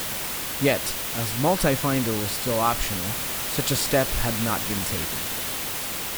Yet, as MultiFinder was still optional, such a step had not been taken.